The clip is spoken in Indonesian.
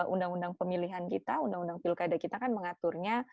undang undang pemilihan kita undang undang pilkada kita kan mengaturnya